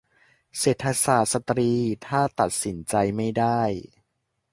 เศรษฐศาสตร์สตรี : ถ้าตัดสินใจไม่ได้